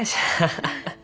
ハハハハ。